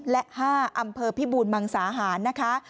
และ๕อำเภอพิบูรมังสาหารนะคะ